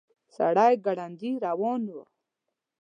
سړی ګړندي روان و.